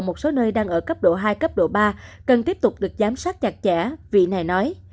một số nơi đang ở cấp độ hai cấp độ ba cần tiếp tục được giám sát chặt chẽ vị này nói